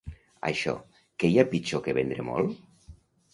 Això, què hi ha pitjor que vendre molt?